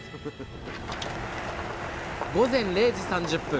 午前０時３０分